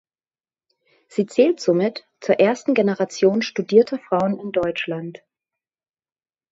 Sie zählt somit zur ersten Generation studierter Frauen in Deutschland.